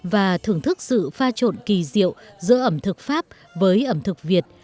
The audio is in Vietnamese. và thưởng thức sự pha trộn kỳ diệu giữa ẩm thực pháp với ẩm thực việt